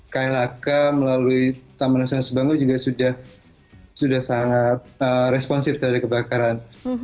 klhk melalui taman nasional subanggo juga sudah sangat responsif dari kebakaran